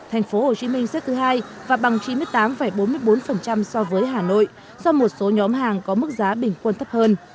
tp hcm xếp thứ hai và bằng chín mươi tám bốn mươi bốn so với hà nội do một số nhóm hàng có mức giá bình quân thấp hơn